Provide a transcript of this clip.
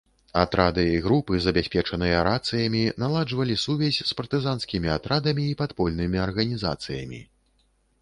Атрады і групы, забяспечаныя рацыямі, наладжвалі сувязь з партызанскімі атрадамі і падпольнымі арганізацыямі.